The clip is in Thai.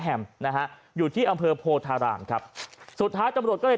แฮมนะฮะอยู่ที่อำเภอโพธารามครับสุดท้ายตำรวจก็เลย